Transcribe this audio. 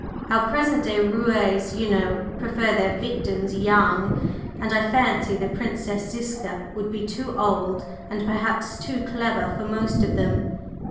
Our present day roués, you know, prefer their victims young, and I fancy the Princess Ziska would be too old and perhaps too clever for most of them.